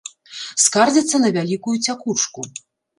Скардзяцца на вялікую цякучку.